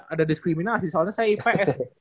ada diskriminasi soalnya saya ips